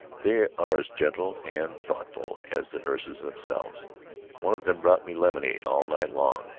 They are as gentle and thoughtful as the nurses themselves. One of them brought me lemonade all night long.